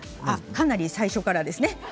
かなり最初からですね。